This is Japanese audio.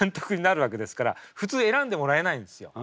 普通選んでもらえないんですよ。